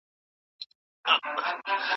په فاسده نکاح کي د طلاق حکم څنګه دی؟